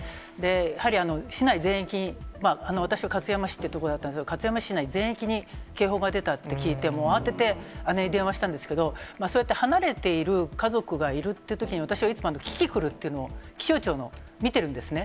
やはり市内全域、私は勝山市って所だったんですけど、勝山市内全域に警報が出たって聞いて、もう慌てて姉に電話したんですけど、そうやって離れている家族がいるってときに、私はいつも、キキクルっていうのを、気象庁の、見てるんですね。